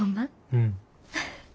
うん。